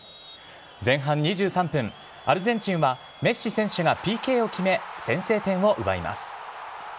前半２３分、アルゼンチンはメッシ選手がＰＫを決め、先制点を奪います。